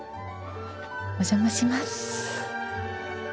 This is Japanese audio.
お邪魔します。